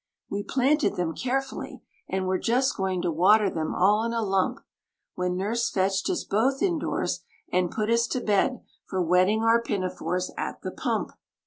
We planted them carefully, and were just going to water them all in a lump, When Nurse fetched us both indoors, and put us to bed for wetting our pinafores at the pump.